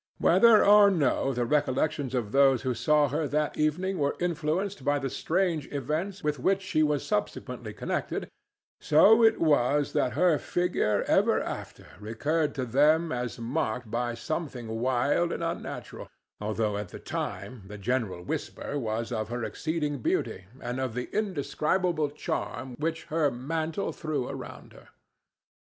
Whether or no the recollections of those who saw her that evening were influenced by the strange events with which she was subsequently connected, so it was that her figure ever after recurred to them as marked by something wild and unnatural, although at the time the general whisper was of her exceeding beauty and of the indescribable charm which her mantle threw around her.